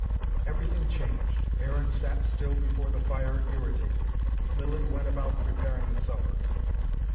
Everything changed. Aaron sat still before the fire, irritated. Lilly went about preparing the supper.